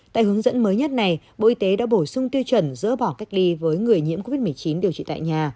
tại hướng dẫn mới nhất này bộ y tế đã bổ sung tiêu chuẩn dỡ bỏ cách ly với người nhiễm covid một mươi chín điều trị tại nhà